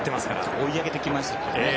追い上げてきましたからね。